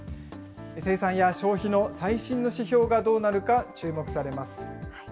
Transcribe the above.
生産や消費の最新の指標がどうなるか注目されます。